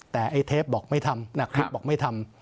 แต่ไอ้เทปบอกไม่ทำนักคลิปบอกไม่ทำ